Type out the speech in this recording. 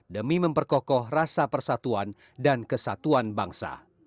demi memperkokoh rasa persatuan dan kesatuan bangsa